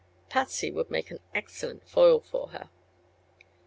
Patsy would make an excellent foil for her.